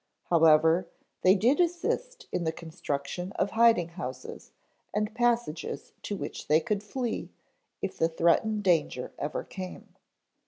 However, they did assist in the construction of hiding houses and passages to which they could flee if the threatened danger ever came.